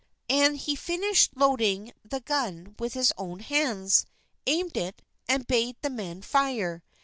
And he finished loading the gun with his own hands, aimed it, and bade the men fire.